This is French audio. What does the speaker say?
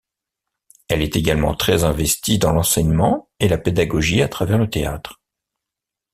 Elle est également très investie dans l'enseignement et la pédagogie à travers le théâtre.